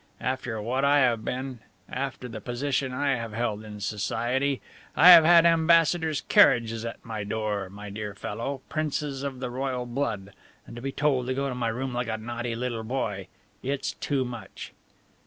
After what I have been, after the position I have held in society. I have had ambassadors' carriages at my door, my dear fellow, princes of the royal blood, and to be told to go to my room like a naughty little boy! It's too much!"